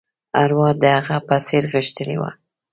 ارواح د هغه په څېر غښتلې وه.